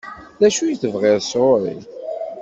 D acu i tebɣiḍ sɣur-i?